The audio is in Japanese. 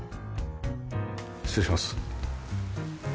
失礼します。